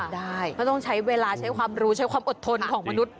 ได้ก็ต้องใช้เวลาใช้ความรู้ใช้ความอดทนของมนุษย